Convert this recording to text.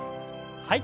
はい。